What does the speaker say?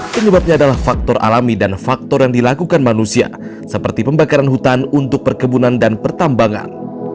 penyebabnya adalah faktor alami dan faktor yang dilakukan manusia seperti pembakaran hutan untuk perkebunan dan pertambangan